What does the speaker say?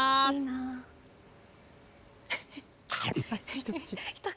一口。